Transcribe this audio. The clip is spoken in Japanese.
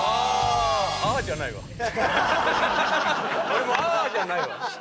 俺も「あ」じゃないわ。